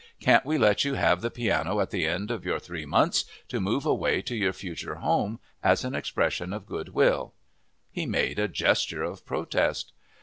Can't we let you have the piano at the end of your three months, to move away to your future home, as an expression of good will?" He made a gesture of protest.